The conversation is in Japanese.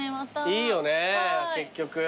いいよね結局。